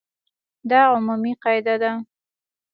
دا عمومي قاعده ده.